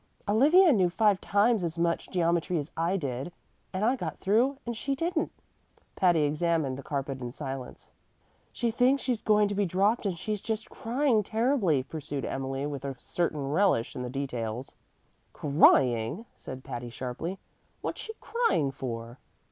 "Olivia knew five times as much geometry as I did, and I got through and she didn't." Patty examined the carpet in silence. "She thinks she's going to be dropped, and she's just crying terribly," pursued Emily, with a certain relish in the details. "Crying!" said Patty, sharply. "What's she crying for?"